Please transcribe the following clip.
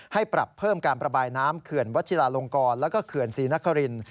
ให้ปรับเพิ่มการประบายน้ำเขื่อนวัชิลาลงกรแล้วก็เขื่อนศรีนคริน